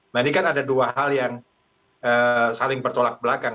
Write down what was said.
nah ini kan ada dua hal yang saling bertolak belakang